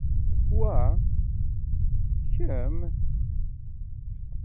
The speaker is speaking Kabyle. Wa, kemm!